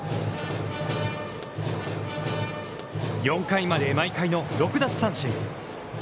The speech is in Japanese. ４回まで毎回の６奪三振。